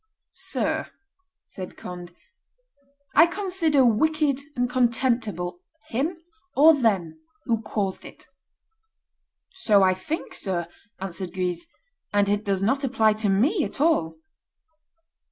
"Sir," said Conde, "I consider wicked and contemptible him or them who caused it." "So I think, sir," answered Guise, "and it does not apply to me at all."